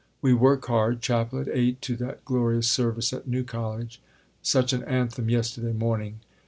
We work hard. Chapel at 8, to that glorious service at New College; such an anthem yesterday morning!